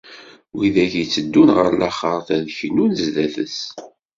Wid akk itteddun ɣer laxert ad knun sdat-s.